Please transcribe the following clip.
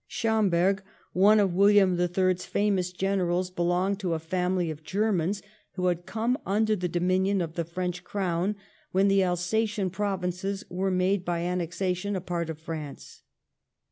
Schomberg, one of William the Third's famous generals, belonged to a family of Germans who had come under the dominion of the French Crown when the Alsatian provinces were made by annexation a part of France.